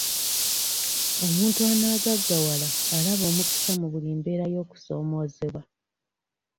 Omuntu anaagaggawala alaba omukisa mu buli mbeera y'okusoomoozebwa.